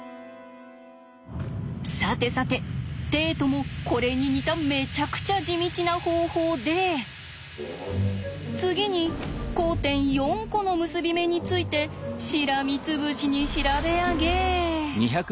さてさてテイトもこれに似ためちゃくちゃ地道な方法で次に交点４コの結び目についてしらみつぶしに調べ上げ。